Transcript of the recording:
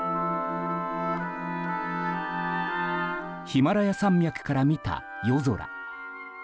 ヒマラヤ山脈から見た夜空。